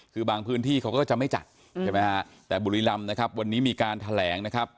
คือบางพื้นที่เขาก็จะไม่จัดใช่ไหมฮะแต่บุรีรำนะครับวันนี้มีการแถลงนะครับ